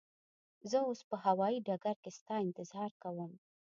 زه اوس به هوایی ډګر کی ستا انتظار کوم.